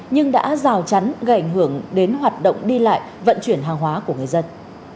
nhưng đã rào chắn gây ảnh hưởng đến hoạt động đi lại vận chuyển hàng hóa của người dân